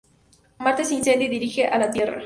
Marte se incendia y se dirige a la Tierra.